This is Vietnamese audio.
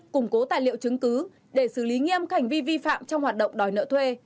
củng cố tài liệu chứng cứ để xử lý nghiêm các hành vi vi phạm trong hoạt động đòi nợ thuê